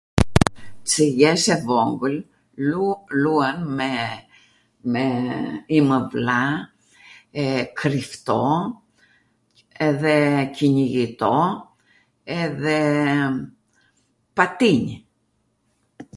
Cw jesh e vogwl, ljuan me, me imw vlla, e, krifto, edhe qinijito, edhe patinj..